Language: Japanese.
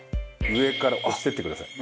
上から押していってください。